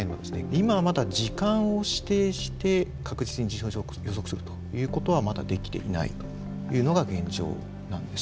今はまだ時間を指定して確実に地震を予測するということはまだできていないというのが現状なんです。